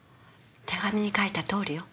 手紙に書いたとおりよ。